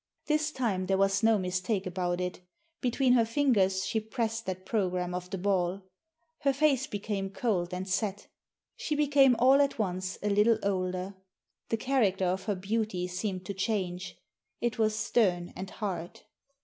This time there was no mistake about it — between her fingers she pressed that programme of the ball. Her face became cold and set She became all at once a little older. The character of her beauty seemed to change. It was stern and hard.